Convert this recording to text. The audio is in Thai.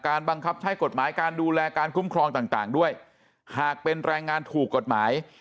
บังคับใช้กฎหมายการดูแลการคุ้มครองต่างด้วยหากเป็นแรงงานถูกกฎหมาย